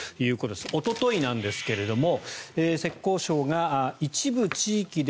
おとといなんですが浙江省が一部地域で